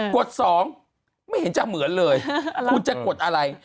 กฎสองไม่เห็นจะเหมือนเลยคุณจะกดอะไร